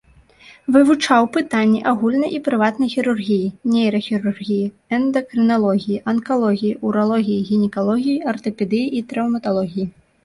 Вывучаў пытанні агульнай і прыватнай хірургіі, нейрахірургіі, эндакрыналогіі, анкалогіі, уралогіі, гінекалогіі, артапедыі і траўматалогіі.